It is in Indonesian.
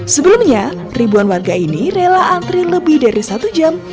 sebelumnya ribuan warga ini rela antri lebih dari satu jam